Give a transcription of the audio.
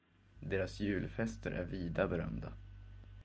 Deras julfester är vida berömda.